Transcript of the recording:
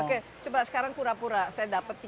oke coba sekarang pura pura saya dapat tiga kg